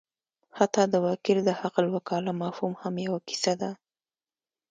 حتی د وکیل د حقالوکاله مفهوم هم یوه کیسه ده.